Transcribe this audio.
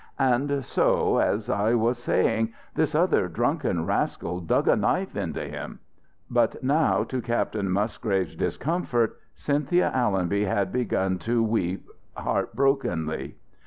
And so, as I was saying, this other drunken rascal dug a knife into him " But now, to Captain Musgrave's discomfort, Cynthia Allonby had begun to weep heartbrokenly.